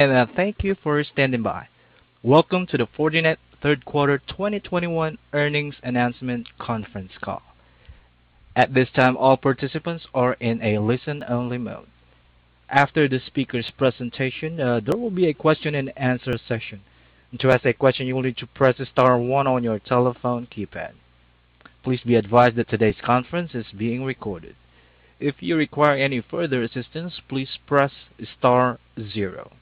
Thank you for standing by. Welcome to the Fortinet Q3 2021 Earnings Announcement Conference Call. At this time, all participants are in a listen-only mode. After the speaker's presentation, there will be a question and answer session. To ask a question, you will need to press star one on your telephone keypad. Please be advised that today's conference is being recorded. If you require any further assistance, please press star zero.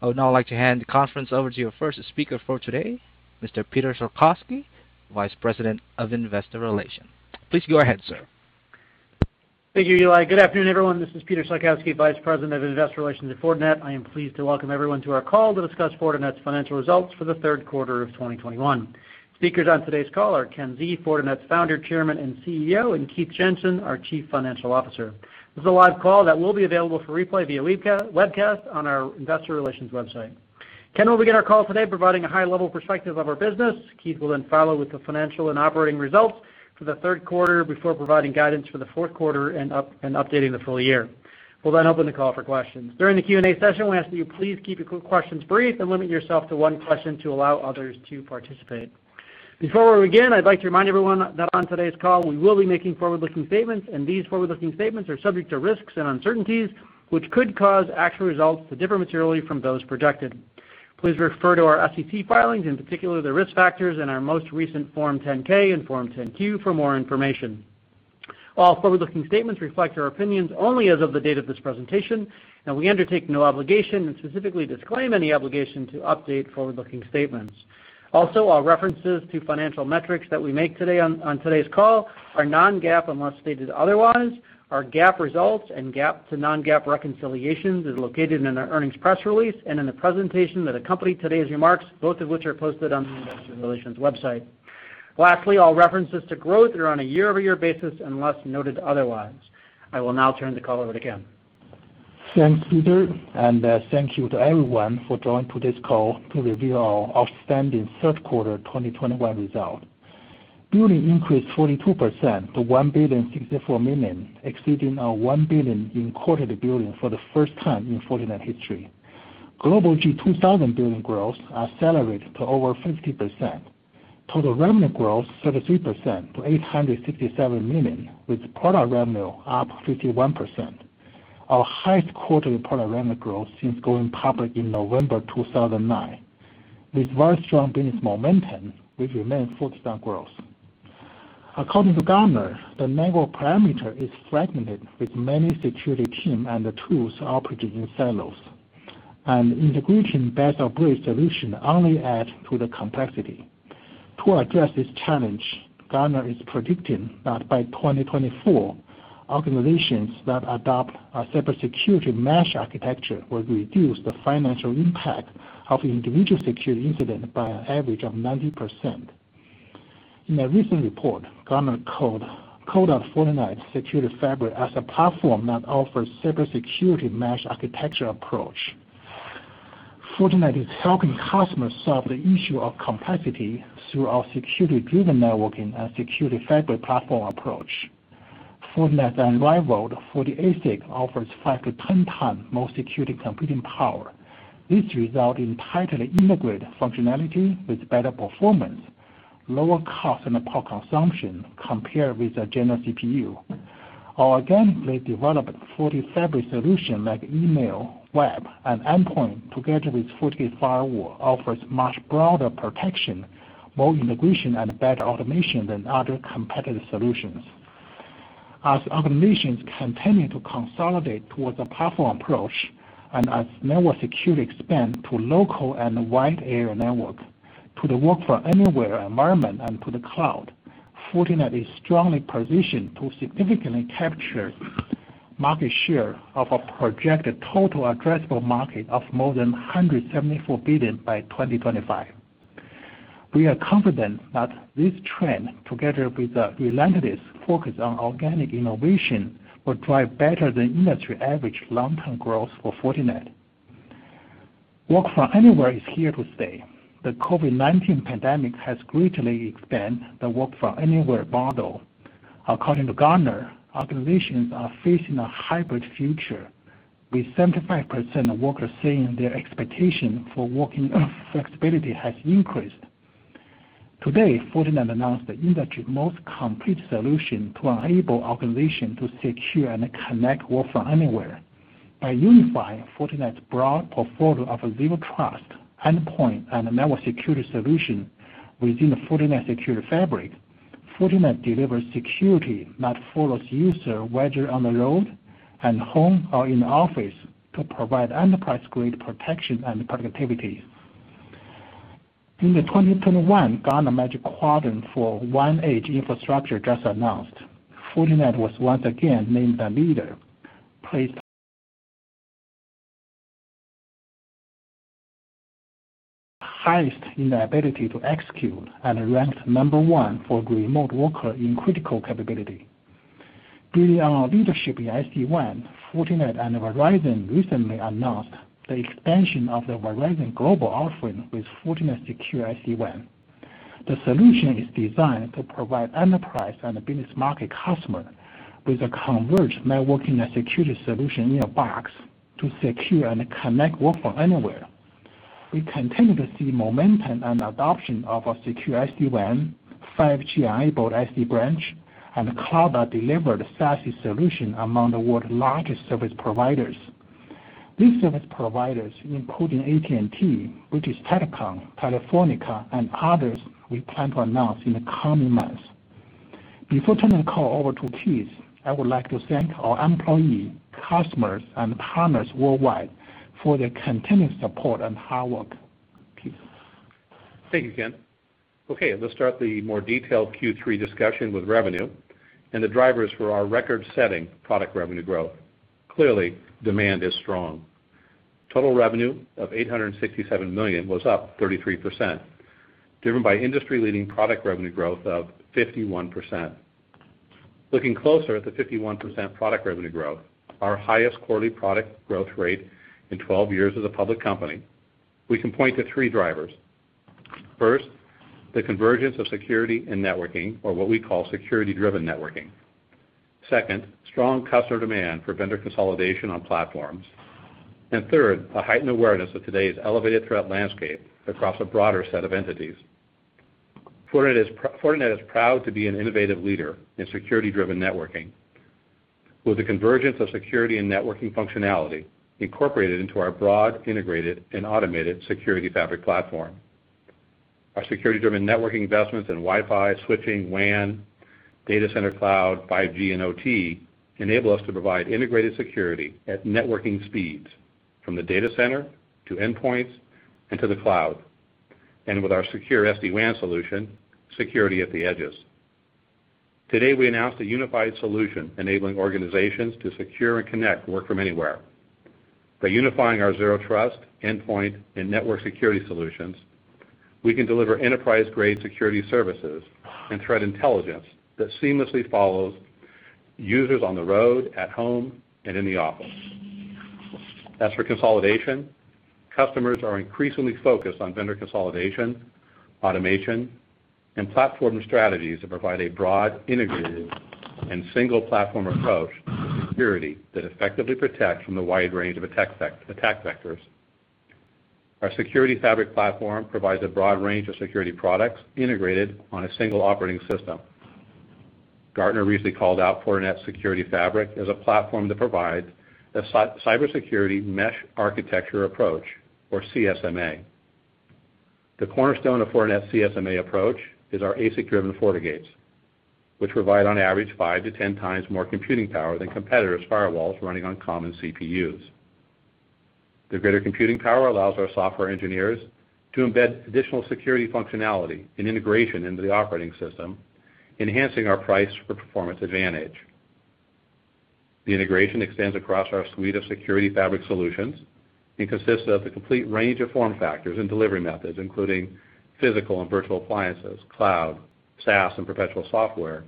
I would now like to hand the conference over to your first speaker for today, Mr. Peter Salkowski, Vice President of Investor Relations. Please go ahead, sir. Thank you, Eli. Good afternoon, everyone. This is Peter Salkowski, Vice President of Investor Relations at Fortinet. I am pleased to welcome everyone to our call to discuss Fortinet's financial results for the Q3 of 2021. Speakers on today's call are Ken Xie, Fortinet's Founder, Chairman, and CEO, and Keith Jensen, our Chief Financial Officer. This is a live call that will be available for replay via webcast on our investor relations website. Ken will begin our call today providing a high-level perspective of our business. Keith will then follow with the financial and operating results for the Q3 before providing guidance for the Q4 and updating the full year. We'll then open the call for questions. During the Q&A session, we ask that you please keep your questions brief and limit yourself to one question to allow others to participate. Before we begin, I'd like to remind everyone that on today's call, we will be making forward-looking statements, and these forward-looking statements are subject to risks and uncertainties, which could cause actual results to differ materially from those projected. Please refer to our SEC filings, in particular the risk factors in our most recent Form 10-K and Form 10-Q for more information. All forward-looking statements reflect our opinions only as of the date of this presentation, and we undertake no obligation and specifically disclaim any obligation to update forward-looking statements. Also, all references to financial metrics that we make today on today's call are non-GAAP unless stated otherwise. Our GAAP results and GAAP to non-GAAP reconciliations is located in our earnings press release and in the presentation that accompany today's remarks, both of which are posted on the investor relations website. Lastly, all references to growth are on a year-over-year basis unless noted otherwise. I will now turn the call over to Ken. Thanks, Peter, and thank you to everyone for joining today's call to review our outstanding Q3 2021 results. Billing increased 42% to $1,064 million, exceeding our $1 billion in quarterly billing for the first time in Fortinet history. Global 2000 billing growth accelerated to over 50%. Total revenue growth 33% to $867 million, with product revenue up 51%, our highest quarterly product revenue growth since going public in November 2009. With very strong business momentum, we remain focused on growth. According to Gartner, the network perimeter is fragmented with many security teams and the tools operating in silos, and integrating best-of-breed solutions only adds to the complexity. To address this challenge, Gartner is predicting that by 2024, organizations that adopt a cybersecurity mesh architecture will reduce the financial impact of individual security incident by an average of 90%. In a recent report, Gartner called out Fortinet's Security Fabric as a platform that offers cybersecurity mesh architecture approach. Fortinet is helping customers solve the issue of complexity through our Security-Driven Networking and Security Fabric platform approach. Fortinet's unrivaled FortiASIC offers 5-10 times more security computing power. This result in tightly integrated functionality with better performance, lower cost, and power consumption compared with a general CPU. Our organically developed FortiFabric solution, like email, web, and endpoint, together with FortiGate firewall, offers much broader protection, more integration, and better automation than other competitive solutions. As organizations continue to consolidate towards a platform approach and as network security expand to local and wide area networks, to the work from anywhere environment and to the cloud, Fortinet is strongly positioned to significantly capture market share of a projected total addressable market of more than $174 billion by 2025. We are confident that this trend, together with a relentless focus on organic innovation, will drive better than industry average long-term growth for Fortinet. Work from anywhere is here to stay. The COVID-19 pandemic has greatly expanded the work from anywhere model. According to Gartner, organizations are facing a hybrid future, with 75% of workers saying their expectation for working flexibility has increased. Today, Fortinet announced the industry's most complete solution to enable organizations to secure and connect work from anywhere. By unifying Fortinet's broad portfolio of zero trust, endpoint, and network security solution within the Fortinet Security Fabric, Fortinet delivers security that follows user whether on the road and home or in the office to provide enterprise-grade protection and productivity. In the 2021 Gartner Magic Quadrant for WAN Edge Infrastructure just announced, Fortinet was once again named a leader, placed highest in the ability to execute and ranked number 1 for remote worker in critical capability. Building on our leadership in SD-WAN, Fortinet and Verizon recently announced the expansion of the Verizon global offering with Fortinet Secure SD-WAN. The solution is designed to provide enterprise and business market customer with a converged networking and security solution in a box to secure and connect work from anywhere. We continue to see momentum and adoption of our secure SD-WAN, 5G-enabled SD-Branch, and cloud-delivered SASE solution among the world's largest service providers. These service providers, including AT&T, British Telecom, Telefónica, and others we plan to announce in the coming months. Before turning the call over to Keith, I would like to thank our employee, customers, and partners worldwide for their continued support and hard work. Keith? Thank you, Ken. Okay, let's start the more detailed Q3 discussion with revenue and the drivers for our record-setting product revenue growth. Clearly, demand is strong. Total revenue of $867 million was up 33%, driven by industry-leading product revenue growth of 51%. Looking closer at the 51% product revenue growth, our highest quarterly product growth rate in 12 years as a public company, we can point to three drivers. First, the convergence of security and networking, or what we call Security-Driven Networking. Second, strong customer demand for vendor consolidation on platforms. Third, a heightened awareness of today's elevated threat landscape across a broader set of entities. Fortinet is proud to be an innovative leader in Security-Driven Networking. With the convergence of security and networking functionality incorporated into our broad, integrated, and automated Security Fabric platform. Our Security-Driven Networking investments in Wi-Fi, switching, WAN, data center cloud, 5G, and OT enable us to provide integrated security at networking speeds from the data center to endpoints and to the cloud. With our secure SD-WAN solution, security at the edges. Today, we announced a unified solution enabling organizations to secure and connect work from anywhere. By unifying our Zero Trust, endpoint, and network security solutions, we can deliver enterprise-grade security services and threat intelligence that seamlessly follows users on the road, at home, and in the office. As for consolidation, customers are increasingly focused on vendor consolidation, automation, and platform strategies that provide a broad, integrated, and single platform approach to security that effectively protect from the wide range of attack vectors. Our Security Fabric platform provides a broad range of security products integrated on a single operating system. Gartner recently called out Fortinet's Security Fabric as a platform that provides a cybersecurity mesh architecture approach, or CSMA. The cornerstone of Fortinet's CSMA approach is our ASIC-driven FortiGates, which provide on average 5-10 times more computing power than competitors' firewalls running on common CPUs. The greater computing power allows our software engineers to embed additional security functionality and integration into the operating system, enhancing our price for performance advantage. The integration extends across our suite of Security Fabric solutions and consists of the complete range of form factors and delivery methods, including physical and virtual appliances, cloud, SaaS, and perpetual software,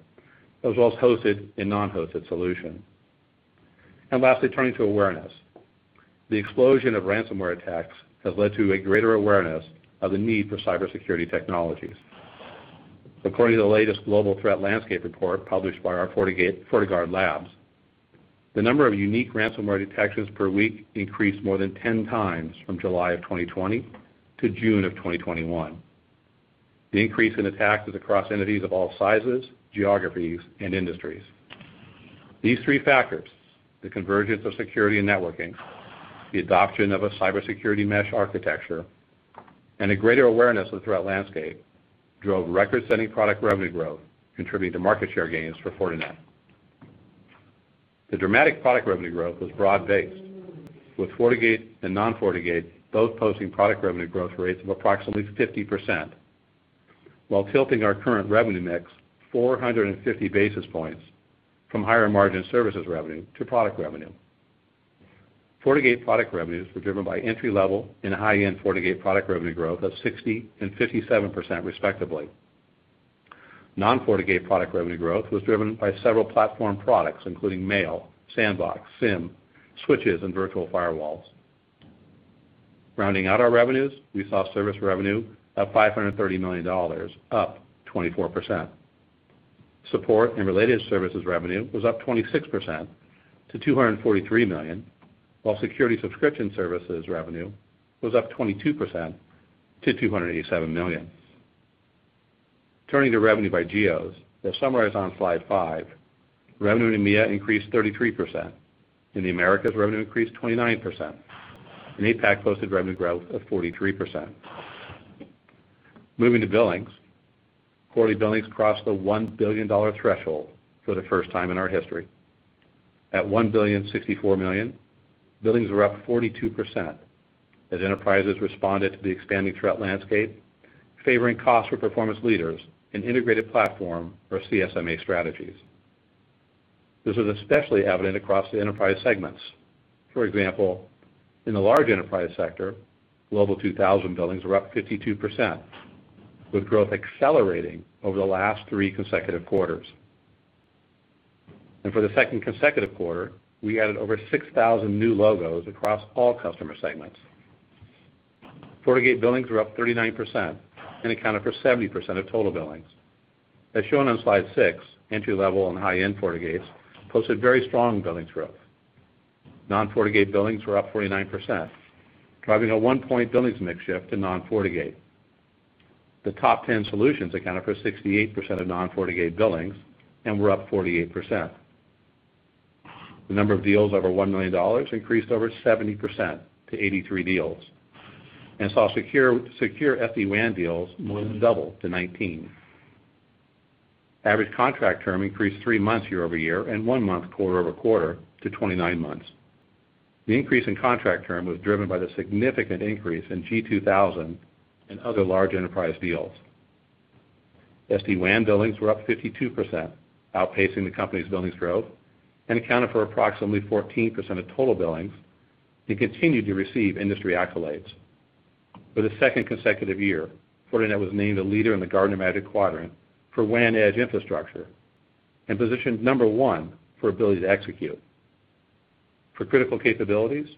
as well as hosted and non-hosted solution. Lastly, turning to awareness. The explosion of ransomware attacks has led to a greater awareness of the need for cybersecurity technologies. According to the latest Global Threat Landscape Report published by our FortiGuard Labs, the number of unique ransomware detections per week increased more than 10 times from July 2020 to June 2021. The increase in attacks is across entities of all sizes, geographies, and industries. These three factors, the convergence of security and networking, the adoption of a cybersecurity mesh architecture, and a greater awareness of the threat landscape, drove record-setting product revenue growth, contributing to market share gains for Fortinet. The dramatic product revenue growth was broad-based, with FortiGate and non-FortiGate both posting product revenue growth rates of approximately 50% while tilting our current revenue mix 450 basis points from higher-margin services revenue to product revenue. FortiGate product revenues were driven by entry-level and high-end FortiGate product revenue growth of 60% and 57% respectively. Non-FortiGate product revenue growth was driven by several platform products, including FortiMail, FortiSandbox, FortiSIEM, FortiSwitch, and Virtual Firewalls. Rounding out our revenues, we saw service revenue of $530 million, up 24%. Support and related services revenue was up 26% to $243 million, while security subscription services revenue was up 22% to $287 million. Turning to revenue by geos, as summarized on slide 5, revenue in EMEA increased 33%. In the Americas, revenue increased 29%. In APAC, posted revenue growth of 43%. Moving to billings. Quarterly billings crossed the $1 billion threshold for the first time in our history. At $1.064 billion, billings were up 42% as enterprises responded to the expanding threat landscape, favoring cost for performance leaders in integrated platform or CSMA strategies. This is especially evident across the enterprise segments. For example, in the large enterprise sector, Global 2000 billings were up 52%, with growth accelerating over the last three consecutive quarters. For the second consecutive quarter, we added over 6,000 new logos across all customer segments. FortiGate billings were up 39% and accounted for 70% of total billings. As shown on slide 6, entry-level and high-end FortiGates posted very strong billings growth. Non-FortiGate billings were up 49%, driving a 1-point billings mix shift to non-FortiGate. The top ten solutions accounted for 68% of non-FortiGate billings and were up 48%. The number of deals over $1 million increased over 70% to 83 deals and saw Secure SD-WAN deals more than double to 19. Average contract term increased 3 months year-over-year and 1 month quarter-over-quarter to 29 months. The increase in contract term was driven by the significant increase in G 2000 and other large enterprise deals. SD-WAN billings were up 52%, outpacing the company's billings growth and accounted for approximately 14% of total billings and continued to receive industry accolades. For the second consecutive year, Fortinet was named a leader in the Gartner Magic Quadrant for WAN Edge Infrastructure and positioned number one for ability to execute. For critical capabilities,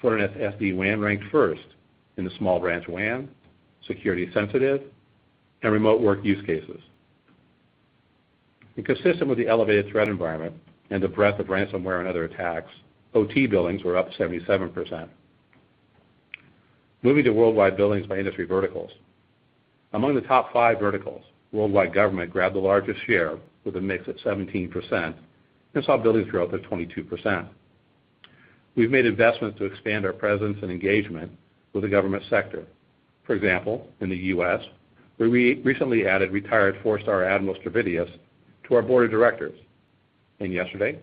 Fortinet SD-WAN ranked first in the small branch WAN, security sensitive, and remote work use cases. Consistent with the elevated threat environment and the breadth of ransomware and other attacks, OT billings were up 77%. Moving to worldwide billings by industry verticals. Among the top five verticals, worldwide government grabbed the largest share with a mix of 17% and saw billings growth of 22%. We've made investments to expand our presence and engagement with the government sector. For example, in the U.S., where we recently added retired four-star Admiral Stavridis to our board of directors. Yesterday,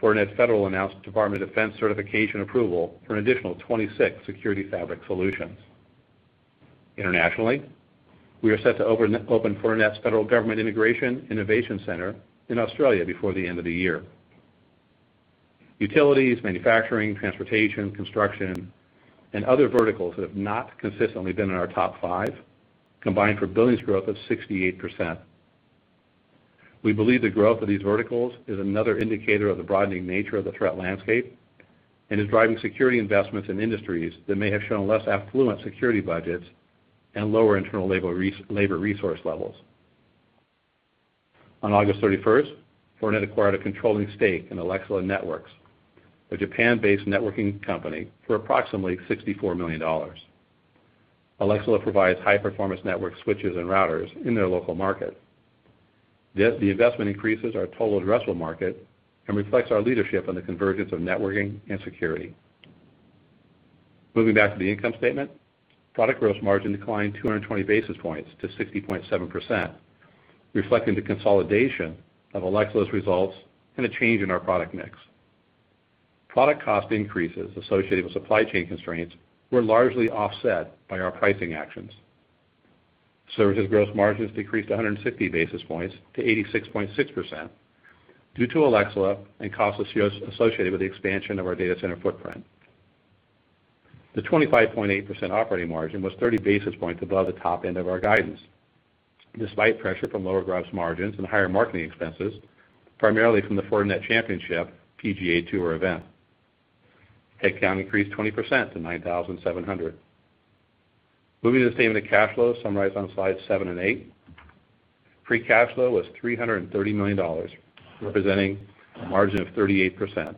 Fortinet Federal announced Department of Defense certification approval for an additional 26 Security Fabric solutions. Internationally, we are set to open Fortinet's Federal Government Information Innovation Center in Australia before the end of the year. Utilities, manufacturing, transportation, construction, and other verticals that have not consistently been in our top five combined for billings growth of 68%. We believe the growth of these verticals is another indicator of the broadening nature of the threat landscape and is driving security investments in industries that may have shown less affluent security budgets and lower internal labor resource levels. On August thirty-first, Fortinet acquired a controlling stake in Alaxala Networks, a Japan-based networking company, for approximately $64 million. Alaxala provides high-performance network switches and routers in their local market. The investment increases our total addressable market and reflects our leadership in the convergence of networking and security. Moving back to the income statement, product gross margin declined 220 basis points to 60.7%, reflecting the consolidation of Alaxala's results and a change in our product mix. Product cost increases associated with supply chain constraints were largely offset by our pricing actions. Services gross margins decreased 160 basis points to 86.6% due to Alaxala and costs associated with the expansion of our data center footprint. The 25.8% operating margin was 30 basis points above the top end of our guidance, despite pressure from lower gross margins and higher marketing expenses, primarily from the Fortinet Championship PGA TOUR event. Headcount increased 20% to 9,700. Moving to the statement of cash flows summarized on slides 7 and 8. Free cash flow was $330 million, representing a margin of 38%.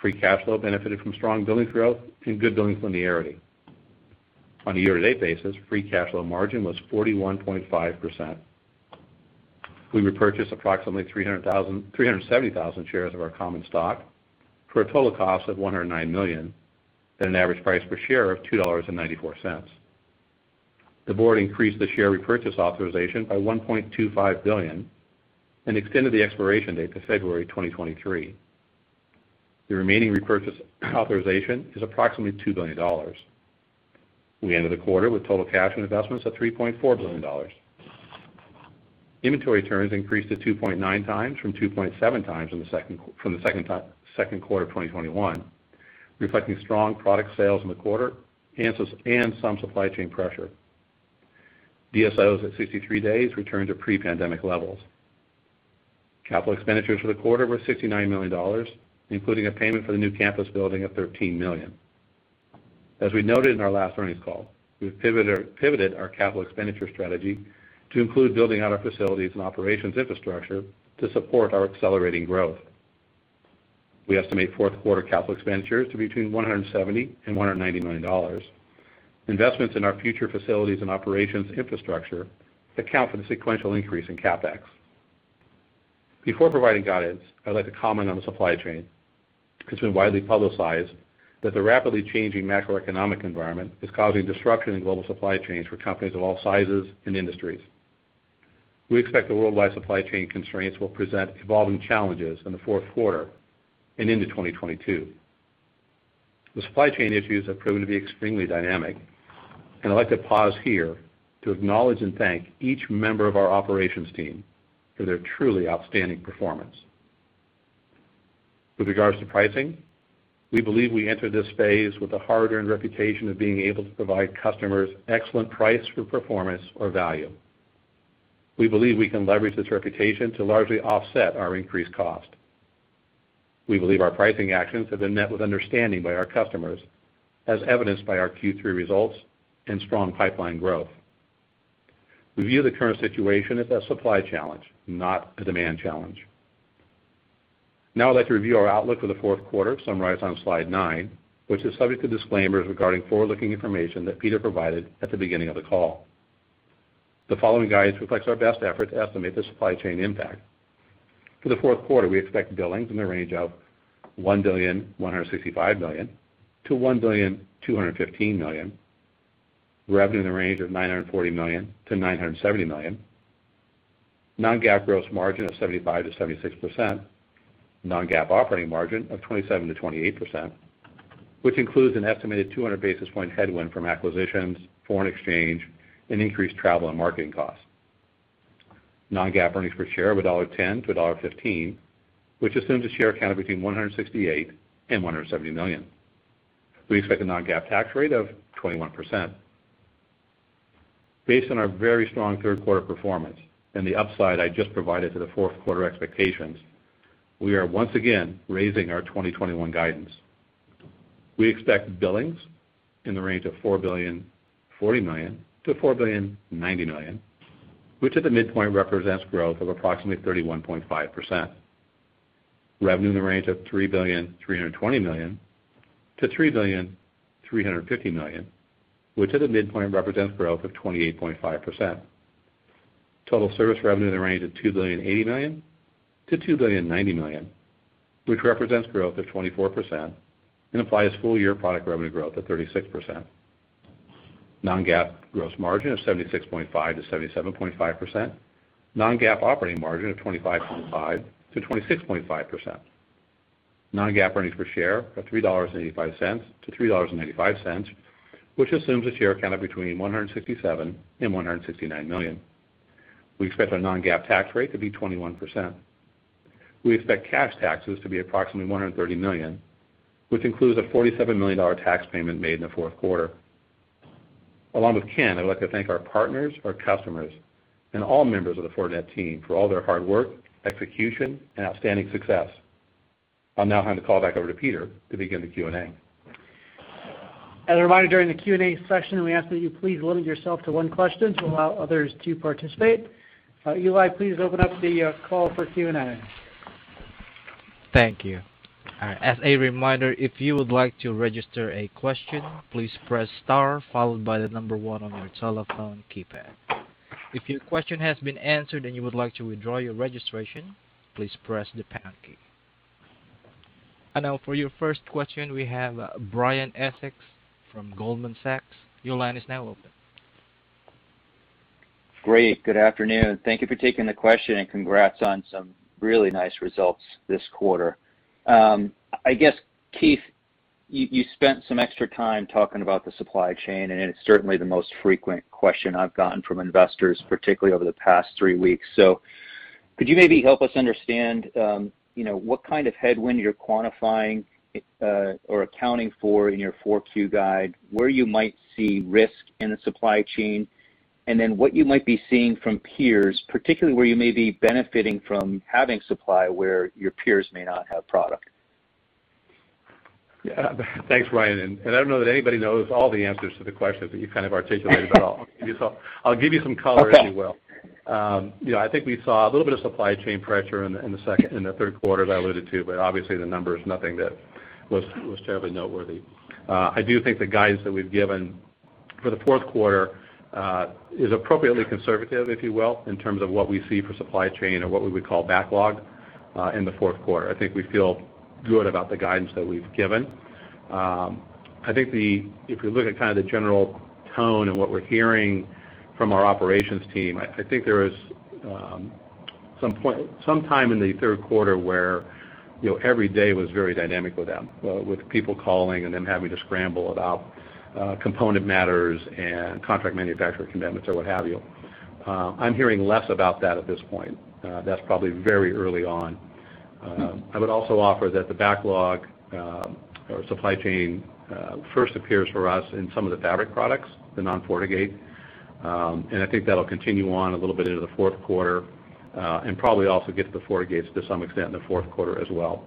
Free cash flow benefited from strong billings growth and good billings linearity. On a year-to-date basis, free cash flow margin was 41.5%. We repurchased approximately 370,000 shares of our common stock for a total cost of $109 million at an average price per share of $2.94. The board increased the share repurchase authorization by $1.25 billion and extended the expiration date to February 2023. The remaining repurchase authorization is approximately $2 billion. We ended the quarter with total cash and investments of $3.4 billion. Inventory turns increased to 2.9 times from 2.7 times in the Q2 of 2021, reflecting strong product sales in the quarter and some supply chain pressure. DSOs at 63 days returned to pre-pandemic levels. Capital expenditures for the quarter were $69 million, including a payment for the new campus building of $13 million. As we noted in our last earnings call, we've pivoted our capital expenditure strategy to include building out our facilities and operations infrastructure to support our accelerating growth. We estimate Q4 capital expenditures to between $170 million and $190 million. Investments in our future facilities and operations infrastructure account for the sequential increase in CapEx. Before providing guidance, I'd like to comment on the supply chain. It's been widely publicized that the rapidly changing macroeconomic environment is causing disruption in global supply chains for companies of all sizes and industries. We expect the worldwide supply chain constraints will present evolving challenges in the Q4 and into 2022. The supply chain issues have proven to be extremely dynamic, and I'd like to pause here to acknowledge and thank each member of our operations team for their truly outstanding performance. With regards to pricing, we believe we enter this phase with a hard-earned reputation of being able to provide customers excellent price for performance or value. We believe we can leverage this reputation to largely offset our increased cost. We believe our pricing actions have been met with understanding by our customers, as evidenced by our Q3 results and strong pipeline growth. We view the current situation as a supply challenge, not a demand challenge. Now I'd like to review our outlook for the Q4, summarized on slide 9, which is subject to disclaimers regarding forward-looking information that Peter provided at the beginning of the call. The following guidance reflects our best effort to estimate the supply chain impact. For the Q4, we expect billings in the range of $1.165-1.215 billion. Revenue in the range of $940-970 million. Non-GAAP gross margin of 75%-76%. Non-GAAP operating margin of 27%-28%, which includes an estimated 200 basis point headwind from acquisitions, foreign exchange, and increased travel and marketing costs. Non-GAAP earnings per share of $1.10-1.15, which assumes a share count of between 168 million and 170 million. We expect a non-GAAP tax rate of 21%. Based on our very strong Q3 performance and the upside I just provided to the Q4 expectations, we are once again raising our 2021 guidance. We expect billings in the range of $4.04-4.09 billion, which at the midpoint represents growth of approximately 31.5%. Revenue in the range of $3.32-3.35 billion, which at the midpoint represents growth of 28.5%. Total service revenue in the range of $2.08-2.09 billion, which represents growth of 24% and implies full-year product revenue growth of 36%. Non-GAAP gross margin of 76.5%-77.5%. Non-GAAP operating margin of 25.5%-26.5%. Non-GAAP earnings per share of $3.85-3.95, which assumes a share count of between 167 million and 169 million. We expect our non-GAAP tax rate to be 21%. We expect cash taxes to be approximately $130 million, which includes a $47 million tax payment made in the Q4. Along with Ken, I'd like to thank our partners, our customers, and all members of the Fortinet team for all their hard work, execution, and outstanding success. I'll now hand the call back over to Peter to begin the Q&A. As a reminder, during the Q&A session, we ask that you please limit yourself to one question to allow others to participate. Eli, please open up the call for Q&A. Thank you. As a reminder, if you would like to register a question, please press star followed by 1 on your telephone keypad. If your question has been answered and you would like to withdraw your registration, please press the pound key. Now for your first question, we have, Brian Essex from Goldman Sachs. Your line is now open. Great. Good afternoon. Thank you for taking the question, and congrats on some really nice results this quarter. I guess, Keith, you spent some extra time talking about the supply chain, and it's certainly the most frequent question I've gotten from investors, particularly over the past three weeks. Could you maybe help us understand, you know, what kind of headwind you're quantifying, or accounting for in your Q4 guide, where you might see risk in the supply chain, and then what you might be seeing from peers, particularly where you may be benefiting from having supply where your peers may not have product? Yeah. Thanks, Brian. I don't know that anybody knows all the answers to the questions that you've kind of articulated at all. I'll give you some color, if you will. Okay. You know, I think we saw a little bit of supply chain pressure in the second and the Q3, as I alluded to, but obviously the number is nothing that was terribly noteworthy. I do think the guidance that we've given for the Q4 is appropriately conservative, if you will, in terms of what we see for supply chain or what we would call backlog in the Q4. I think we feel good about the guidance that we've given. I think if you look at kind of the general tone and what we're hearing from our operations team, I think there was some point some time in the Q3 where you know every day was very dynamic with them with people calling and them having to scramble about component matters and contract manufacturer commitments or what have you. I'm hearing less about that at this point. That's probably very early on. I would also offer that the backlog or supply chain first appears for us in some of the fabric products, the non-FortiGate. I think that'll continue on a little bit into the Q4 and probably also get to the FortiGates to some extent in the Q4 as well.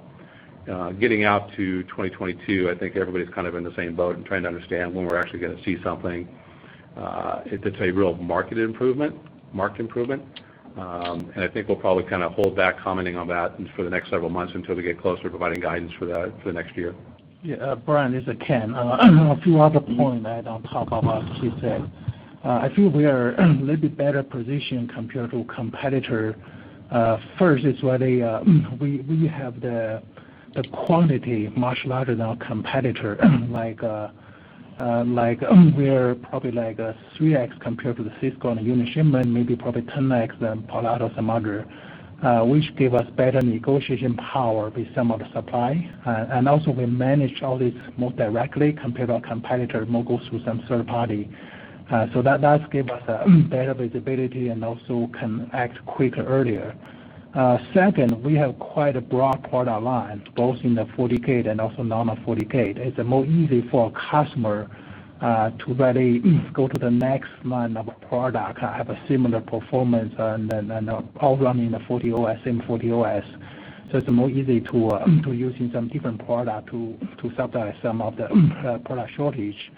Getting out to 2022, I think everybody's kind of in the same boat and trying to understand when we're actually gonna see something, if it's a real market improvement, marked improvement. I think we'll probably kind of hold back commenting on that for the next several months until we get closer to providing guidance for the next year. Yeah, Brian, this is Ken. A few other points I'd on top of what Keith said. I feel we are a little bit better positioned compared to competitors. First, we have the quantity much larger than our competitors, like, we're probably like 3x compared to the Cisco and the Juniper shipment, maybe probably 10x than Palo Alto, some others, which gives us better negotiation power with some of the supply. And also we manage all this more directly compared to our competitors who go through some third party. So that's gives us a better visibility and also can act quicker earlier. Second, we have quite a broad product line, both in the FortiGate and also non-FortiGate. It's more easy for a customer to really go to the next line of product, have a similar performance and all run in the FortiOS, same FortiOS. It's more easy to using some different product to subsidize some of the product shortage.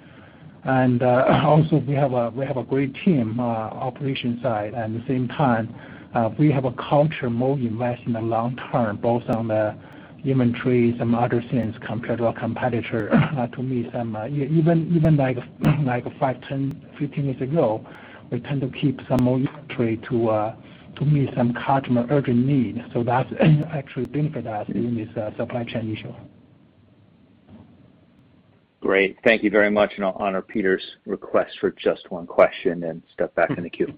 Also we have a great team operation side. At the same time we have a culture more invest in the long term, both on the inventory, some other things compared to our competitor to meet some. Even like 5, 10, 15 years ago, we tend to keep some more inventory to meet some customer urgent need. That's actually benefit us in this supply chain issue. Great. Thank you very much. I'll honor Peter's request for just one question and step back in the queue.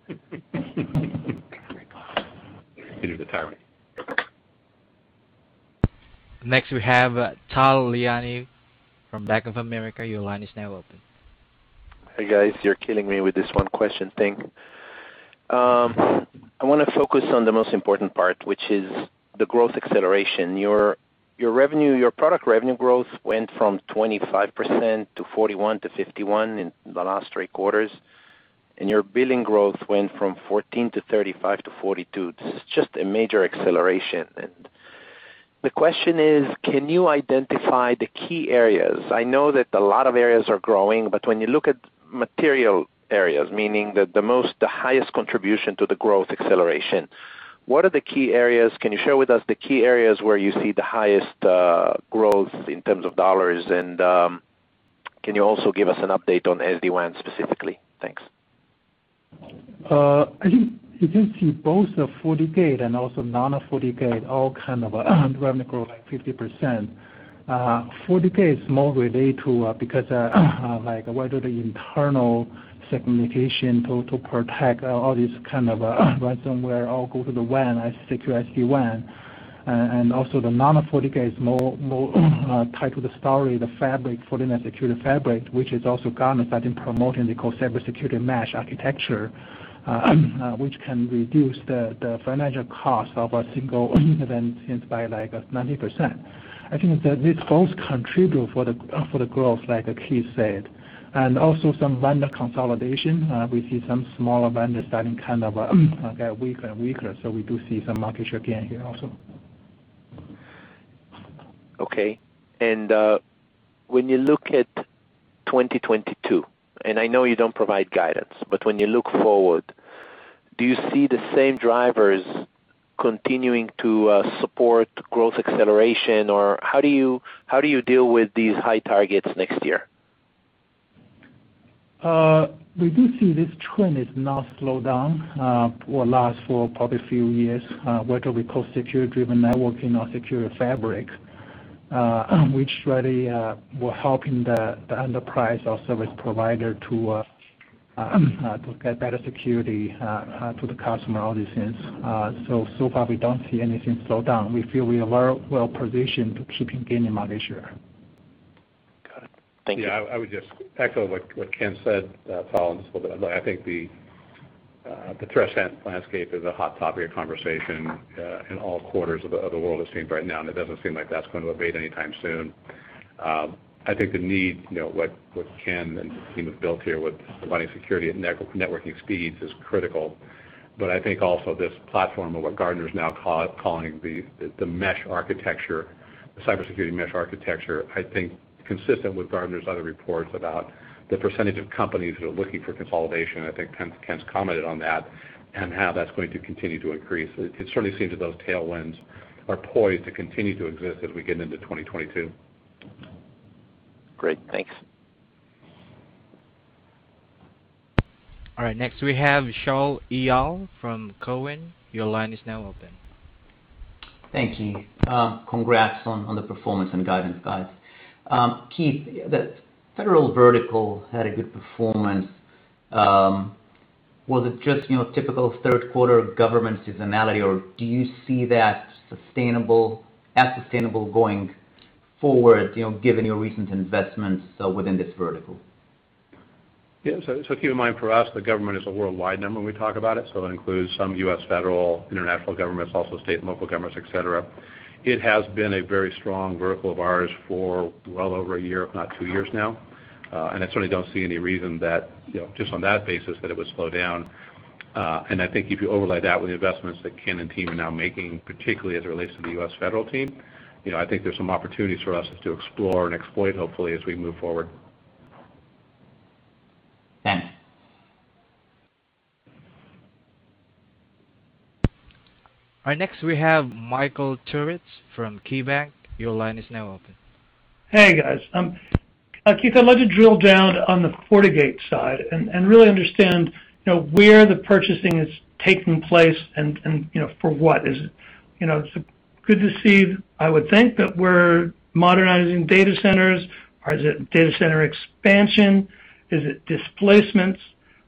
Peter, the tyrant. Next, we have Tal Liani from Bank of America. Your line is now open. Hey, guys. You're killing me with this one question thing. I wanna focus on the most important part, which is the growth acceleration. Your revenue, your product revenue growth went from 25% to 41% to 51% in the last three quarters, and your billing growth went from 14% to 35% to 42%. This is just a major acceleration. The question is, can you identify the key areas? I know that a lot of areas are growing, but when you look at material areas, meaning the most, the highest contribution to the growth acceleration, what are the key areas? Can you share with us the key areas where you see the highest growth in terms of dollars? Can you also give us an update on SD-WAN specifically? Thanks. I think you can see both the FortiGate and also non-FortiGate all kind of revenue growth, like 50%. FortiGate is more related to, because, like whether the internal segmentation to protect all these kind of ransomware all go to the WAN, a secure SD-WAN. The non-FortiGate is more tied to the story, the fabric, Fortinet Security Fabric, which is also Gartner starting promoting, they call cybersecurity mesh architecture, which can reduce the financial cost of a single event since by like 90%. I think that this both contribute for the growth like Keith said. Some vendor consolidation. We see some smaller vendors starting kind of get weaker and weaker, so we do see some market share gain here also. Okay. When you look at 2022, and I know you don't provide guidance, but when you look forward, do you see the same drivers continuing to support growth acceleration? Or how do you deal with these high targets next year? We do see this trend is not slow down, will last for probably a few years, whether we call Security-Driven Networking or Security Fabric, which really were helping the enterprise or service provider to get better security to the customer, all these things. So far, we don't see anything slow down. We feel we are very well-positioned to keeping gaining market share. Got it. Thank you. Yeah. I would just echo what Ken said, Tal, just a little bit. Look, I think the threat landscape is a hot topic of conversation in all quarters of the world it seems right now, and it doesn't seem like that's going to abate anytime soon. I think the need, you know, what Ken and team have built here with providing security at networking speeds is critical. But I think also this platform of what Gartner is now calling the mesh architecture, the cybersecurity mesh architecture, I think consistent with Gartner's other reports about the percentage of companies that are looking for consolidation, I think Ken's commented on that, and how that's going to continue to increase. It certainly seems that those tailwinds are poised to continue to exist as we get into 2022. Great. Thanks. All right. Next, we have Shaul Eyal from Cowen. Your line is now open. Thank you. Congrats on the performance and guidance, guys. Keith, the federal vertical had a good performance. Was it just, you know, typical Q3 government seasonality, or do you see that sustainable going forward, you know, given your recent investments within this vertical? Keep in mind, for us, the government is a worldwide number when we talk about it, so it includes some U.S. federal, international governments, also state and local governments, et cetera. It has been a very strong vertical of ours for well over a year, if not two years now. I certainly don't see any reason that, you know, just on that basis, that it would slow down. I think if you overlay that with the investments that Ken and team are now making, particularly as it relates to the U.S. federal team, you know, I think there's some opportunities for us to explore and exploit, hopefully, as we move forward. Thanks. All right. Next, we have Michael Turits from KeyBanc. Your line is now open. Hey, guys. Keith, I'd love to drill down on the FortiGate side and really understand, you know, where the purchasing is taking place and, you know, for what? Is it, you know, it's good to see, I would think, that we're modernizing data centers? Or is it data center expansion? Is it displacements?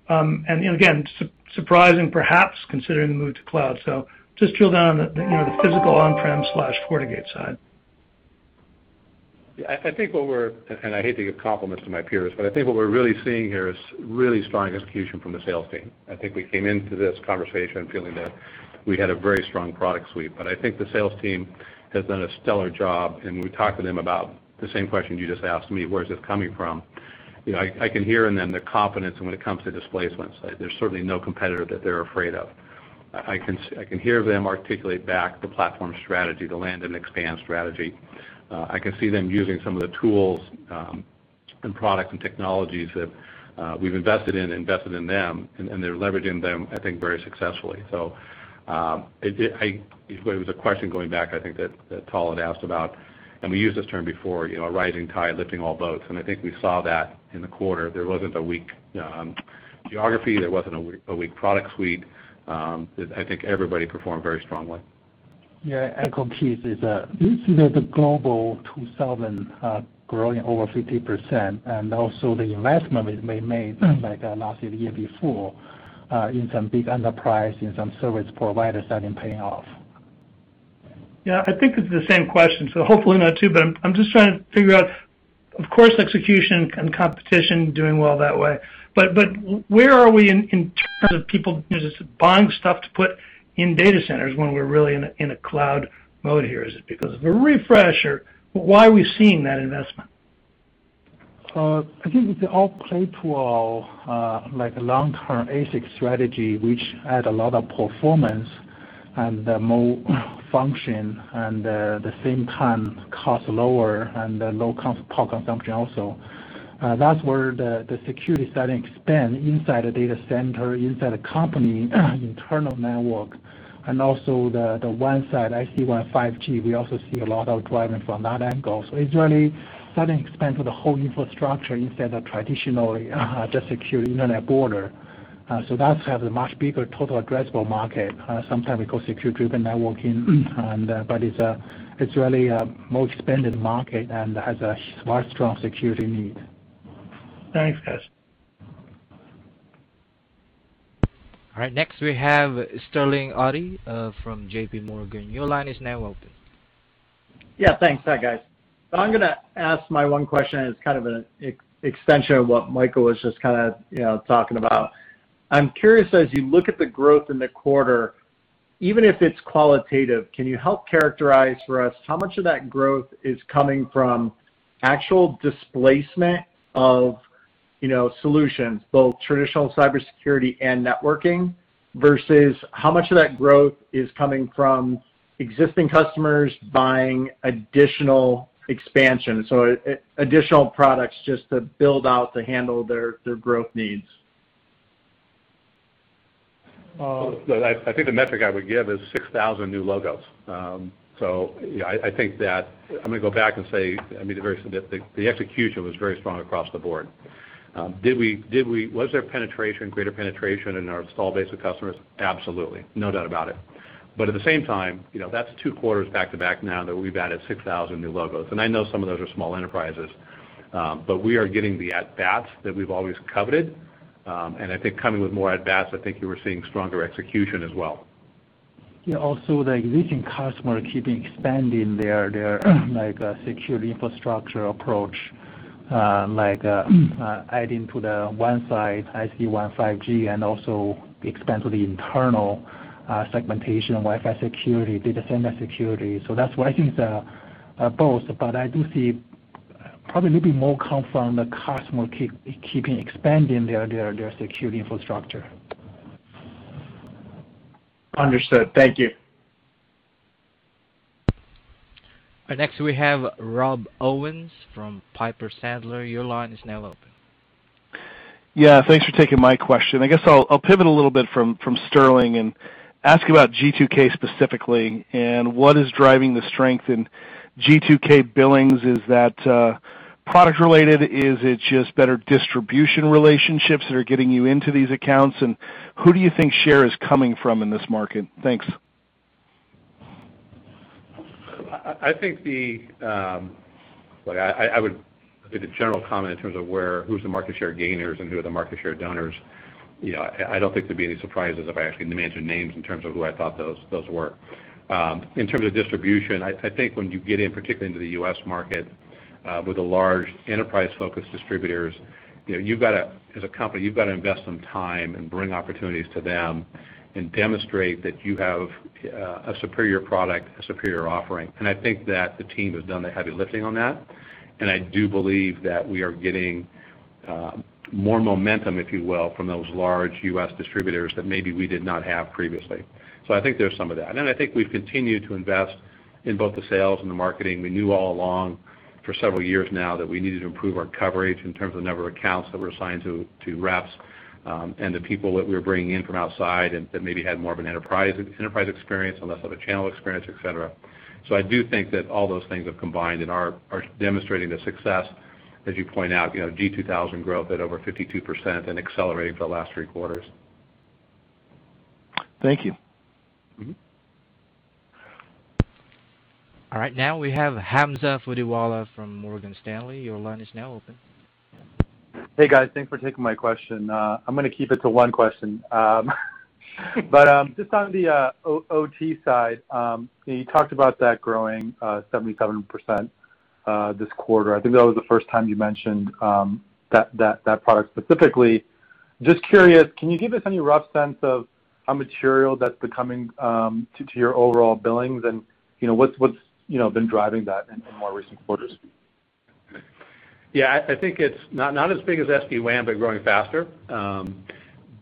And, you know, again, surprising perhaps considering the move to cloud. Just drill down on the, you know, the physical on-prem/FortiGate side. I hate to give compliments to my peers, but I think what we're really seeing here is really strong execution from the sales team. I think we came into this conversation feeling that we had a very strong product suite. I think the sales team has done a stellar job, and we talked to them about the same question you just asked me, where is this coming from? You know, I can hear in them the confidence when it comes to displacements. There's certainly no competitor that they're afraid of. I can hear them articulate back the platform strategy, the land and expand strategy. I can see them using some of the tools, and products and technologies that we've invested in them, and they're leveraging them, I think, very successfully. Well, it was a question going back, I think, that Tal had asked about, and we used this term before, you know, a rising tide lifting all boats, and I think we saw that in the quarter. There wasn't a weak geography. There wasn't a weak product suite. I think everybody performed very strongly. Yeah. Echoing Keith, we see that the Global 2000 growing over 50%, and also the investment we've made, like, last year, the year before, in some big enterprise, in some service providers starting paying off. Yeah. I think it's the same question, so hopefully not too, but I'm just trying to figure out, of course, execution and competition doing well that way. Where are we in terms of people just buying stuff to put in data centers when we're really in a cloud mode here? Is it because of a refresh or why are we seeing that investment? I think it all plays to our, like, long-term ASIC strategy, which adds a lot of performance and, more function, and, at the same time, costs lower and, low power consumption also. That's where the security starting to expand inside a data center, inside a company internal network. Also the WAN side, SD-WAN 5G, we also see a lot of driving from that angle. It's really starting to expand to the whole infrastructure instead of traditionally, just secure internet border. That's have a much bigger total addressable market, sometimes we call Security-Driven Networking. It's really a more expanded market and has a very strong security need. Thanks, guys. All right. Next, we have Sterling Auty from JPMorgan. Your line is now open. Yeah, thanks. Hi, guys. I'm gonna ask my one question as kind of an extension of what Michael was just kinda, you know, talking about. I'm curious, as you look at the growth in the quarter, even if it's qualitative, can you help characterize for us how much of that growth is coming from actual displacement of, you know, solutions, both traditional cybersecurity and networking, versus how much of that growth is coming from existing customers buying additional expansion, so additional products just to build out to handle their growth needs? I think the metric I would give is 6,000 new logos. You know, I think that I'm gonna go back and say, I mean, the execution was very strong across the board. Was there greater penetration in our installed base of customers? Absolutely. No doubt about it. At the same time, you know, that's two quarters back to back now that we've added 6,000 new logos. I know some of those are small enterprises. We are getting the at-bats that we've always coveted. I think coming with more at-bats, you were seeing stronger execution as well. Yeah. Also the existing customer keeping expanding their like security infrastructure approach, like adding to the WAN side, SD-WAN 5G, and also expand to the internal segmentation, Wi-Fi security, data center security. That's why I think it's both, but I do see probably maybe more come from the customer keeping expanding their security infrastructure. Understood. Thank you. Next, we have Rob Owens from Piper Sandler. Your line is now open. Yeah. Thanks for taking my question. I guess I'll pivot a little bit from Sterling and ask about G2K specifically and what is driving the strength in G2K billings. Is that product related? Is it just better distribution relationships that are getting you into these accounts? And who do you think share is coming from in this market? Thanks. I think, like, I would give a general comment in terms of where, who's the market share gainers and who are the market share donors. You know, I don't think there'd be any surprises if I actually mentioned names in terms of who I thought those were. In terms of distribution, I think when you get in, particularly into the U.S. market, with the large enterprise-focused distributors, you know, you've gotta, as a company, invest some time and bring opportunities to them and demonstrate that you have a superior product, a superior offering. I think that the team has done the heavy lifting on that. I do believe that we are getting more momentum, if you will, from those large U.S. distributors that maybe we did not have previously. I think there's some of that. Then I think we've continued to invest in both the sales and the marketing. We knew all along for several years now that we needed to improve our coverage in terms of the number of accounts that were assigned to reps, and the people that we were bringing in from outside and that maybe had more of an enterprise experience and less of a channel experience, et cetera. I do think that all those things have combined and are demonstrating the success. As you point out, you know, G 2000 growth at over 52% and accelerating for the last three quarters. Thank you. Mm-hmm. All right. Now we have Hamza Fodderwala from Morgan Stanley. Your line is now open. Hey guys, thanks for taking my question. I'm gonna keep it to one question. Just on the OT side, you talked about that growing 77% this quarter. I think that was the first time you mentioned that product specifically. Just curious, can you give us any rough sense of how material that's becoming to your overall billings and, you know, what's been driving that in more recent quarters? Yeah, I think it's not as big as SD-WAN, but growing faster.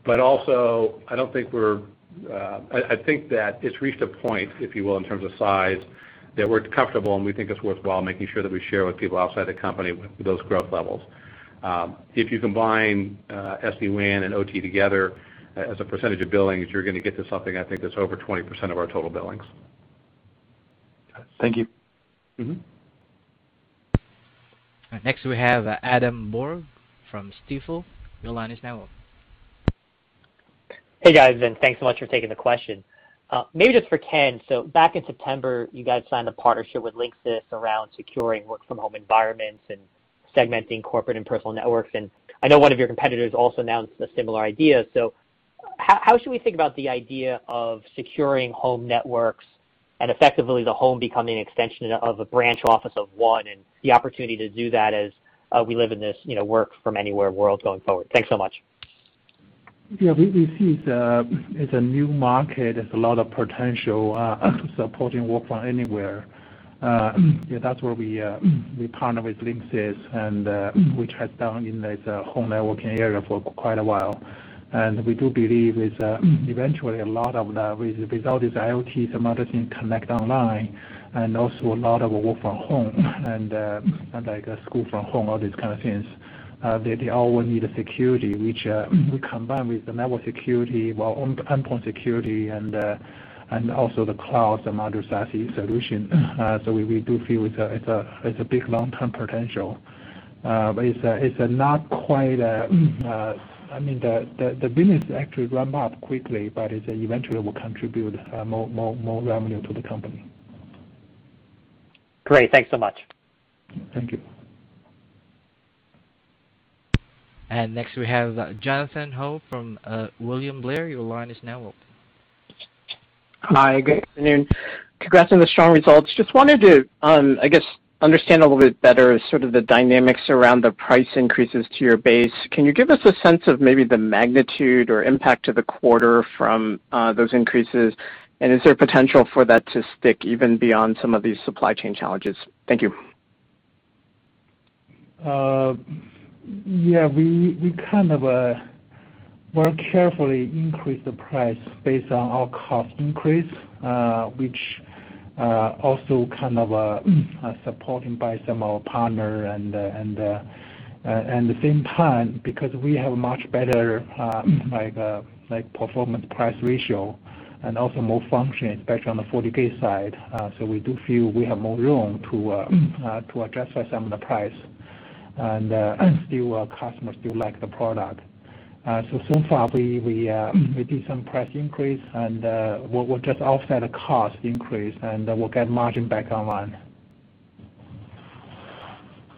Also I think that it's reached a point, if you will, in terms of size, that we're comfortable, and we think it's worthwhile making sure that we share with people outside the company with those growth levels. If you combine SD-WAN and OT together as a percentage of billings, you're gonna get to something, I think that's over 20% of our total billings. Thank you. Mm-hmm. All right. Next, we have Adam Borg from Stifel. Your line is now open. Hey, guys, and thanks so much for taking the question. Maybe just for Ken. Back in September, you guys signed a partnership with Linksys around securing work from home environments and segmenting corporate and personal networks. I know one of your competitors also announced a similar idea. How should we think about the idea of securing home networks and effectively the home becoming an extension of a branch office of one and the opportunity to do that as we live in this, you know, work from anywhere world going forward? Thanks so much. Yeah. We see it's a new market. There's a lot of potential supporting work from anywhere. Yeah, that's where we partner with Linksys and we tried out in this home networking area for quite a while. We do believe it's eventually with all these IoTs and other things connect online, and also a lot of work from home and like school from home, all these kind of things, they all will need a security, which we combine with the network security, well, endpoint security and also the cloud, some other SaaS solution. We do feel it's a big long-term potential. It's not quite. I mean, the business actually ramp up quickly, but it eventually will contribute more revenue to the company. Great. Thanks so much. Thank you. Next we have Jonathan Ho from William Blair. Your line is now open. Hi. Good afternoon. Congrats on the strong results. Just wanted to, I guess, understand a little bit better sort of the dynamics around the price increases to your base. Can you give us a sense of maybe the magnitude or impact to the quarter from those increases? Is there potential for that to stick even beyond some of these supply chain challenges? Thank you. Yeah. We kind of very carefully increase the price based on our cost increase, which also kind of supporting by some of our partner. The same time, because we have much better like performance price ratio and also more function, especially on the FortiGate side. We do feel we have more room to adjust for some of the price. Still customers do like the product. So far we did some price increase, and we'll just offset the cost increase, and we'll get margin back online.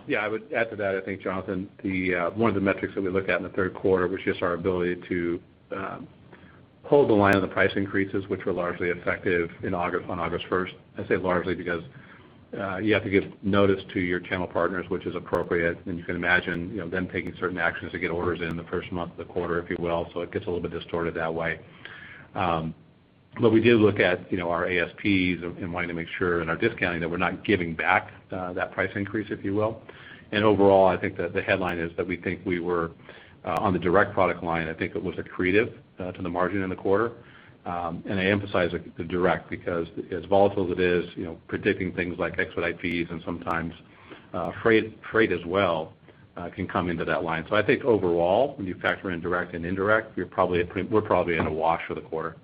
Yeah. I would add to that. I think, Jonathan, one of the metrics that we look at in the Q3 was just our ability to hold the line on the price increases, which were largely effective in August first. I say largely because you have to give notice to your channel partners, which is appropriate. You can imagine, you know, them taking certain actions to get orders in the first month of the quarter, if you will. It gets a little bit distorted that way. But we did look at, you know, our ASPs and wanting to make sure in our discounting that we're not giving back that price increase, if you will. Overall, I think the headline is that we think we were on the direct product line. I think it was accretive to the margin in the quarter. I emphasize the direct because as volatile as it is, you know, predicting things like exit IPs and sometimes, freight as well, can come into that line. I think overall, when you factor in direct and indirect, we're probably in a wash for the quarter.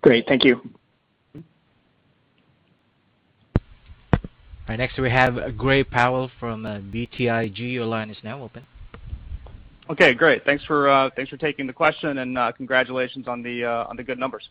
Great. Thank you. Mm-hmm. All right, next we have Gray Powell from BTIG. Your line is now open. Okay, great. Thanks for taking the question, and congratulations on the good numbers.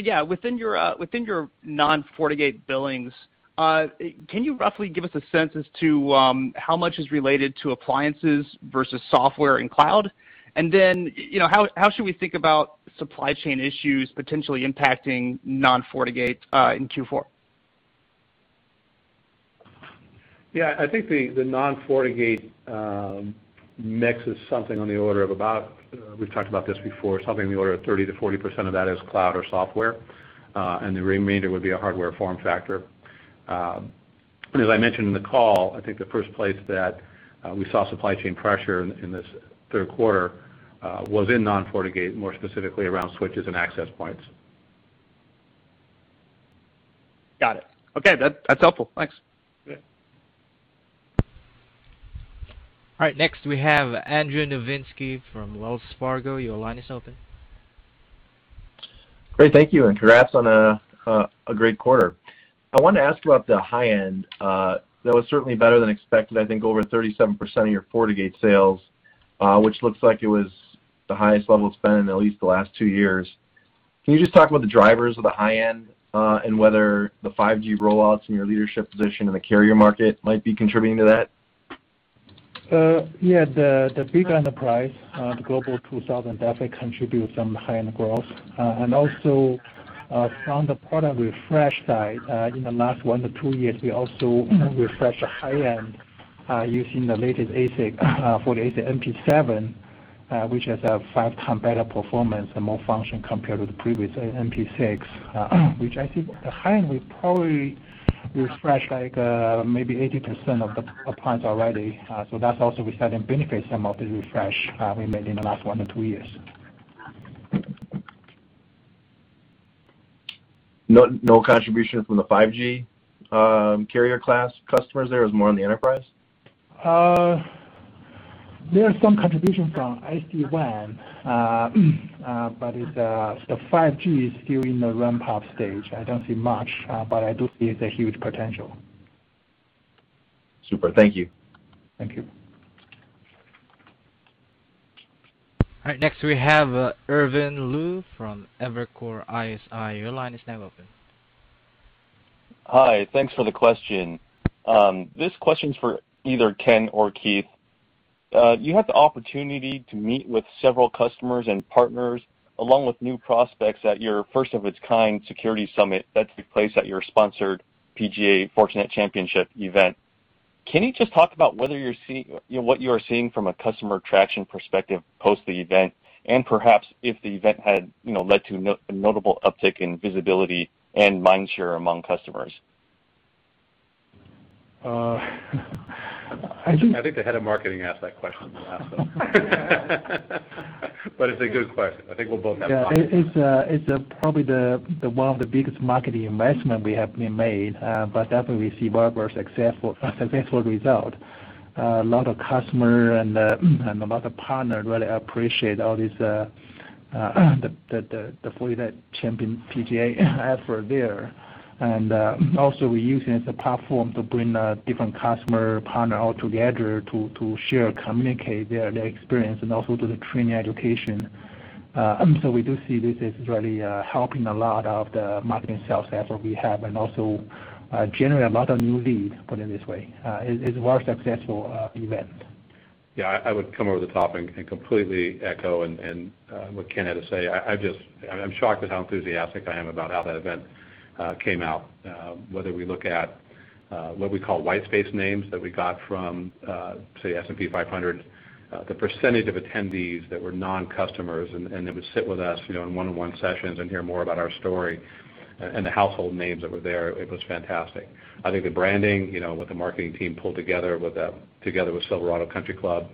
Yeah, within your non-FortiGate billings, can you roughly give us a sense as to how much is related to appliances versus software and cloud? You know, how should we think about supply chain issues potentially impacting non-FortiGate in Q4? Yeah. I think the non-FortiGate mix is something on the order of about, we've talked about this before, something in the order of 30%-40% of that is cloud or software, and the remainder would be a hardware form factor. As I mentioned in the call, I think the first place that we saw supply chain pressure in this Q3 was in non-FortiGate, more specifically around switches and access points. Got it. Okay. That, that's helpful. Thanks. Great. All right, next we have Andrew Nowinski from Wells Fargo. Your line is open. Great. Thank you, and congrats on a great quarter. I wanted to ask you about the high end. That was certainly better than expected. I think over 37% of your FortiGate sales which looks like it was the highest level of spend in at least the last two years. Can you just talk about the drivers of the high end, and whether the 5G rollouts and your leadership position in the carrier market might be contributing to that? Yeah. The big enterprise, the Global 2000, definitely contribute some high-end growth. Also, from the product refresh side, in the last 1-2 years, we also refresh the high-end using the latest ASIC for the NP7, which has a 5 times better performance and more function compared to the previous NP6, which I think the high-end, we probably refresh like 80% of the plans already. That's also we starting to benefit some of the refresh we made in the last 1-2 years. No, no contribution from the 5G, carrier class customers there. It's more on the enterprise? There are some contribution from SD-WAN, but it's the 5G is still in the ramp-up stage. I don't see much, but I do see the huge potential. Super. Thank you. Thank you. All right. Next, we have Irvin Liu from Evercore ISI. Your line is now open. Hi. Thanks for the question. This question's for either Ken or Keith. You had the opportunity to meet with several customers and partners, along with new prospects at your first of its kind security summit that took place at your sponsored PGA Fortinet Championship event. Can you just talk about what you are seeing from a customer traction perspective post the event, and perhaps if the event had, you know, led to a notable uptick in visibility and mind share among customers? I think the head of marketing asked that question in the last one. It's a good question. I think we'll both have- Yeah. It's probably one of the biggest marketing investments we have made, but definitely we see very successful results. A lot of customers and a lot of partners really appreciate all this, the Fortinet Championship PGA effort there. Also we're using it as a platform to bring different customers partners all together to share, communicate their experience and also do the training education. We do see this is really helping a lot of the marketing sales effort we have and also generate a lot of new leads, put it this way. It's very successful event. I would come over the top and completely echo what Ken had to say. I'm shocked at how enthusiastic I am about how that event came out. Whether we look at what we call white space names that we got from, say, S&P 500, the percentage of attendees that were non-customers and that would sit with us, you know, in one-on-one sessions and hear more about our story, and the household names that were there, it was fantastic. I think the branding, you know, what the marketing team pulled together with Silverado Country Club,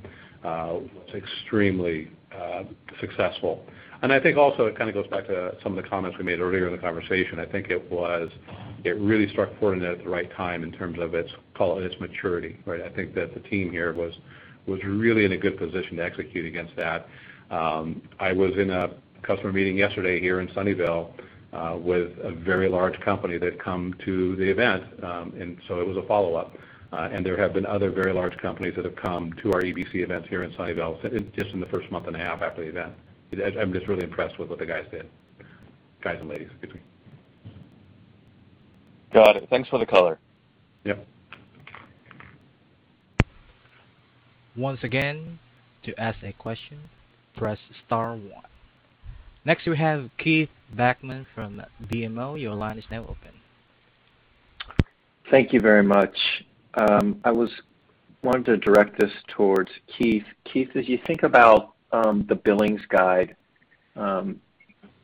was extremely successful. I think also it kinda goes back to some of the comments we made earlier in the conversation. I think it was it really struck Fortinet at the right time in terms of its, call it, its maturity, right? I think that the team here was really in a good position to execute against that. I was in a customer meeting yesterday here in Sunnyvale with a very large company that come to the event, and so it was a follow-up. There have been other very large companies that have come to our EBC events here in Sunnyvale just in the first month and a half after the event. I'm just really impressed with what the guys did. Guys and ladies, excuse me. Got it. Thanks for the color. Yep. Once again, to ask a question, press star one. Next, we have Keith Bachman from BMO. Your line is now open. Thank you very much. I was wanting to direct this towards Keith. Keith, as you think about the billings guide,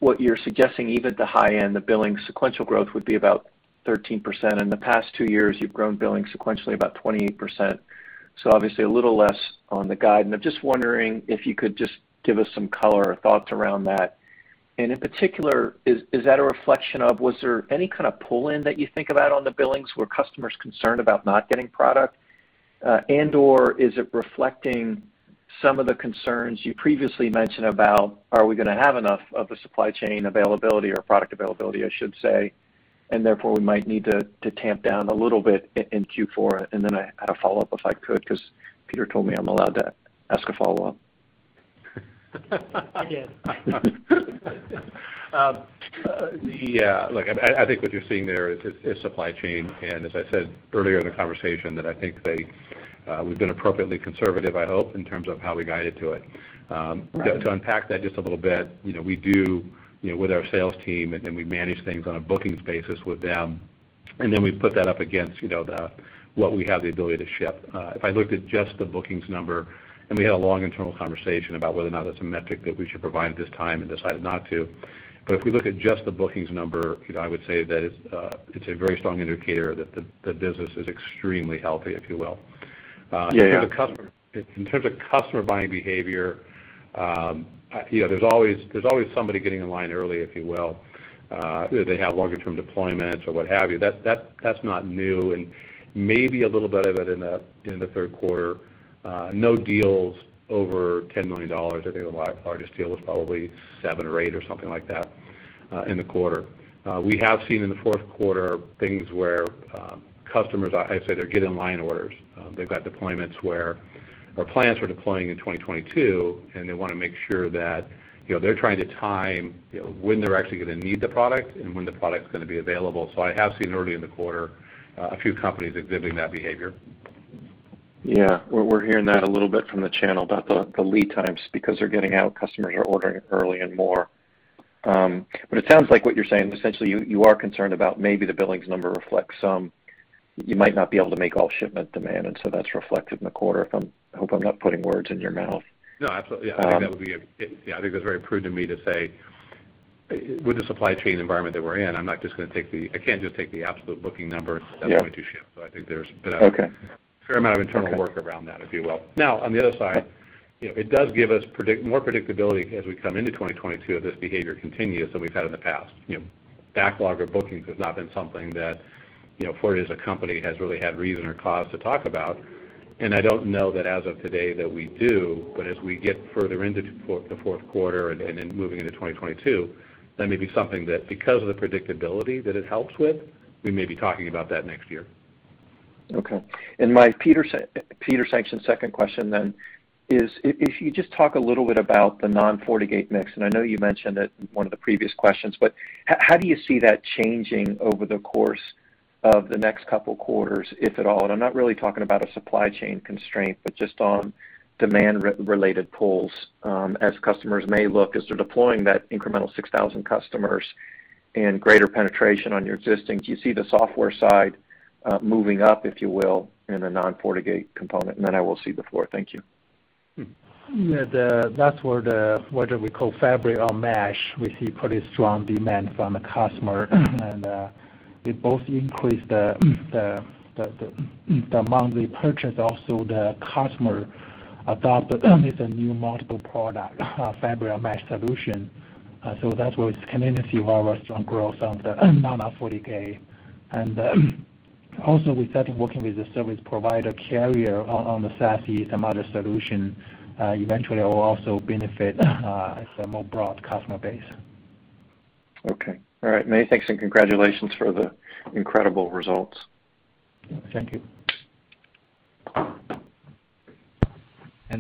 what you're suggesting, even at the high end, the billing sequential growth would be about 13%. In the past 2 years, you've grown billing sequentially about 28%. Obviously a little less on the guide. I'm just wondering if you could just give us some color or thoughts around that. In particular, is that a reflection of was there any kind of pull-in that you think about on the billings? Were customers concerned about not getting product? And/or is it reflecting some of the concerns you previously mentioned about are we gonna have enough of the supply chain availability or product availability, I should say, and therefore we might need to tamp down a little bit in Q4? I had a follow-up, if I could, 'cause Peter told me I'm allowed to ask a follow-up. He did. Yeah. Look, I think what you're seeing there is supply chain. I said earlier in the conversation, we've been appropriately conservative, I hope, in terms of how we guided to it. To unpack that just a little bit, you know, we do, you know, with our sales team, and then we manage things on a bookings basis with them, and then we put that up against, you know, the what we have the ability to ship. If I looked at just the bookings number, and we had a long internal conversation about whether or not that's a metric that we should provide at this time and decided not to, but if we look at just the bookings number, you know, I would say that it's a very strong indicator that the business is extremely healthy, if you will. In terms of customer- Yeah, yeah. In terms of customer buying behavior, you know, there's always somebody getting in line early, if you will. They have longer term deployments or what have you. That's not new. Maybe a little bit of it in the Q3, no deals over $10 million. I think the largest deal was probably 7 or 8 or something like that, in the quarter. We have seen in the Q4 things where customers, I'd say they're get in line orders. They've got deployments where our plans are deploying in 2022, and they want to make sure that, you know, they're trying to time, you know, when they're actually going to need the product and when the product is going to be available. I have seen early in the quarter, a few companies exhibiting that behavior. Yeah. We're hearing that a little bit from the channel about the lead times because they're getting out. Customers are ordering early and more. It sounds like what you're saying, essentially. You are concerned about maybe the billings number reflects some. You might not be able to meet all shipment demand, and so that's reflected in the quarter. If I'm, I hope I'm not putting words in your mouth. No, absolutely. Yeah, I think that's very prudent of me to say with the supply chain environment that we're in. I'm not just going to. I can't just take the absolute booking numbers. Yeah. I think there's been a- Okay. A fair amount of internal work around that, if you will. Now, on the other side, you know, it does give us more predictability as we come into 2022 if this behavior continues than we've had in the past. You know, backlog or bookings has not been something that, you know, Fortinet as a company has really had reason or cause to talk about. I don't know that as of today that we do. As we get further into the Q4 and moving into 2022, that may be something that because of the predictability that it helps with, we may be talking about that next year. Okay. My second question then is if you just talk a little bit about the non-FortiGate mix, and I know you mentioned it in one of the previous questions, but how do you see that changing over the course of the next couple quarters, if at all? I'm not really talking about a supply chain constraint, but just on demand-related pulls, as customers may look to as they're deploying that incremental 6,000 customers and greater penetration on your existing. Do you see the software side moving up, if you will, in a non-FortiGate component? I will cede the floor. Thank you. Yeah. That's where the, what do we call Fabric or Mesh, we see pretty strong demand from the customer. They both increase the monthly purchase. Also, the customer adopt with a new multiple product, Fabric or Mesh solution. That's where it's coming to see a lot of strong growth on the non-FortiGate. Also, we started working with the service provider carrier on the SASE and other solution. Eventually it will also benefit as a more broad customer base. Okay. All right. May, thanks and congratulations for the incredible results. Thank you.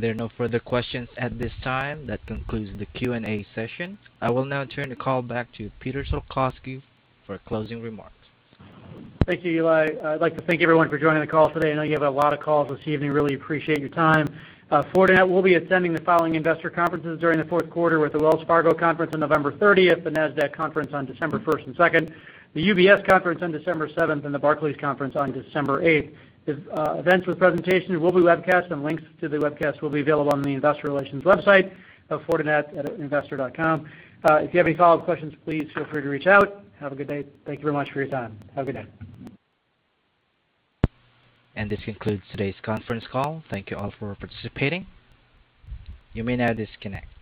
There are no further questions at this time. That concludes the Q&A session. I will now turn the call back to Peter Salkowski for closing remarks. Thank you, Eli. I'd like to thank everyone for joining the call today. I know you have a lot of calls this evening. Really appreciate your time. Fortinet will be attending the following investor conferences during the Q4 with the Wells Fargo conference on November 30, the Nasdaq conference on December 1 and 2, the UBS conference on December 7, and the Barclays conference on December 8. The events with presentation will be webcast, and links to the webcast will be available on the investor relations website of Fortinet at investor.fortinet.com. If you have any follow-up questions, please feel free to reach out. Have a good day. Thank you very much for your time. Have a good day. This concludes today's conference call. Thank you all for participating. You may now disconnect.